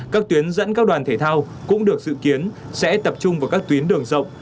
các tuyến dẫn các đoàn thể thao cũng được dự kiến sẽ tập trung vào các tuyến đường rộng